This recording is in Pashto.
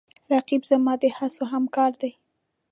رقیب زما د هڅو همکار دی